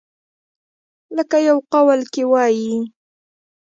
لکه يو قول کښې وائي ۔